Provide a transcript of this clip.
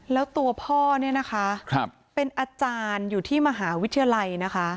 แล้วตัวพ่อเป็นอาจารย์อยู่ที่มหาวิทยาลัย